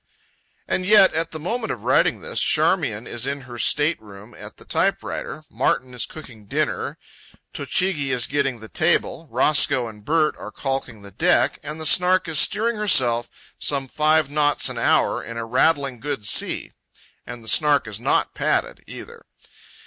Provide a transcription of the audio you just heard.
And yet, at the moment of writing this, Charmian is in her state room at the typewriter, Martin is cooking dinner, Tochigi is setting the table, Roscoe and Bert are caulking the deck, and the Snark is steering herself some five knots an hour in a rattling good sea—and the Snark is not padded, either.